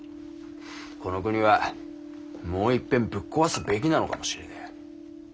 この国はもう一遍ぶっ壊すべきなのかもしれねえ。